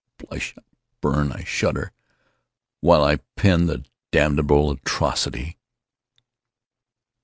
I blush, I burn, I shudder, while I pen the damnable atrocity.